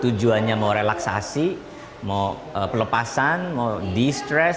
tujuannya mau relaksasi mau pelepasan mau di stress